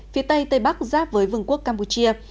phía tây tây bắc giáp với vườn quốc campuchia